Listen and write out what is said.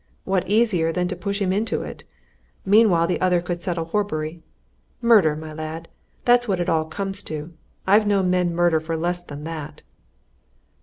What easier than to push him into it? Meanwhile, the other could settle Horbury. Murder, my lad! that's what all this comes to. I've known men murdered for less than that."